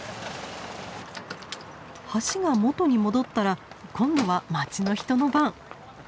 橋が元に戻ったら今度は街の人の番。